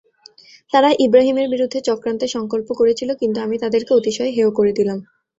তারা ইবরাহীমের বিরুদ্ধে চক্রান্তের সংকল্প করেছিল, কিন্তু আমি তাদেরকে অতিশয় হেয় করে দিলাম।